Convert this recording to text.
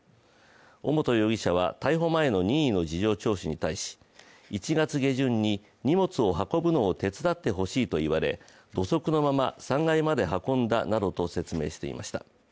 尾本容疑者は逮捕前の任意の事情聴取に対し１月下旬に荷物を運ぶのを手伝ってほしいと言われ土足のまま３階まで運んだなどと説明していました。